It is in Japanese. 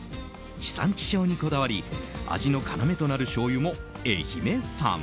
地産地消にこだわり味の要となるしょうゆも愛媛産。